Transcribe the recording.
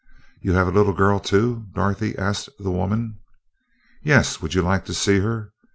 "You have a little girl, too?" Dorothy asked the woman. "Yes would you like to see her?